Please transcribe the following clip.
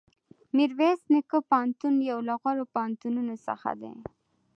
میرویس نیکه پوهنتون یو له غوره پوهنتونونو څخه دی.